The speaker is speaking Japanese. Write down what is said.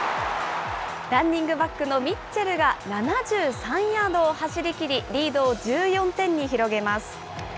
ランニングバックのミッチェルが７３ヤードを走りきり、リードを１４点に広げます。